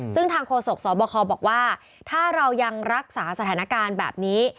ซึ่งทางโฆษกสบคบอกว่าถ้าเรายังรักษาสถานการณ์แบบนี้